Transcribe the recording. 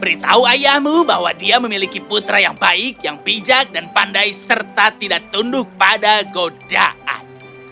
beritahu ayahmu bahwa dia memiliki putra yang baik yang bijak dan pandai serta tidak tunduk pada godaan